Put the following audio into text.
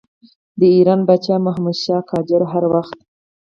د ایران پاچا محمدشاه قاجار هر وخت.